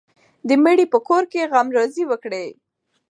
د مړي په کور کې غمرازي وکړئ.